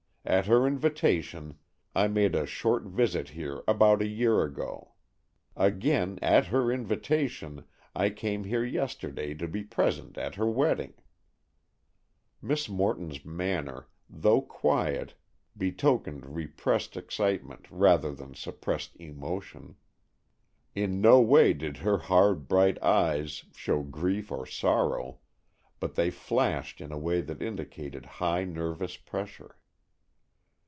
At her invitation I made a short visit here about a year ago. Again, at her invitation, I came here yesterday to be present at her wedding." Miss Morton's manner, though quiet, betokened repressed excitement rather than suppressed emotion. In no way did her hard, bright eyes show grief or sorrow, but they flashed in a way that indicated high nervous pressure.